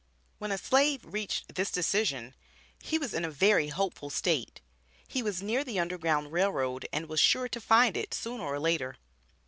When a slave reached this decision, he was in a very hopeful state. He was near the Underground Rail Road, and was sure to find it, sooner or later.